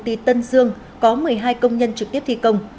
tại công ty tân dương có một mươi hai công nhân trực tiếp thi công